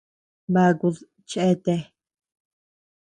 Bakud cheatea.